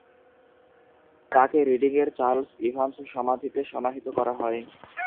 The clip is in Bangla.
তাকে রিডিং-এর চার্লস ইভান্স সমাধিতে সমাহিত করা হয়।